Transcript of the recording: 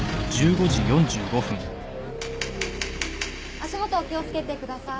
足元お気をつけてください。